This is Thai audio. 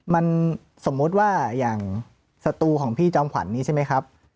มันสมมุติว่าอย่างสตูของพี่จอมขวัญนี้ใช่ไหมครับ